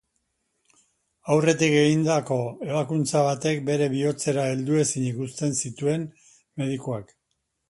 Aurretik egindako ebakuntza batek bere bihotzera heldu ezinik usten zituen medikuak.